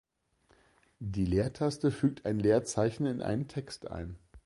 Die Leertaste fügt ein Leerzeichen in einen Text ein.